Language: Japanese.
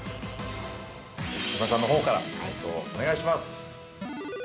◆木嶋さんのほうから解答をお願いします。